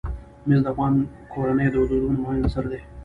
مس د افغان کورنیو د دودونو مهم عنصر دی.